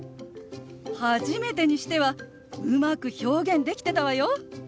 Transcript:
初めてにしてはうまく表現できてたわよ。